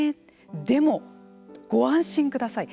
でもご安心下さい。